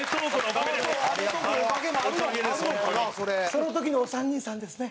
その時のお三人さんですね。